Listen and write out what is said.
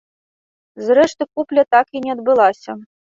Зрэшты купля так і не адбылася.